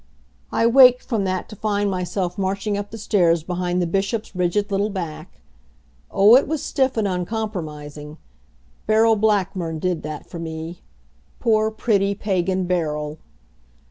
I waked from that to find myself marching up the stairs behind the Bishop's rigid little back. Oh, it was stiff and uncompromising! Beryl Blackburn did that for me. Poor, pretty, pagan Beryl!